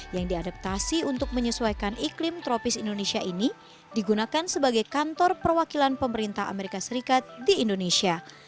yang diadaptasi untuk menyesuaikan iklim tropis indonesia ini digunakan sebagai kantor perwakilan pemerintah amerika serikat di indonesia